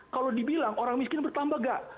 kalau dibilang orang miskin bertambah nggak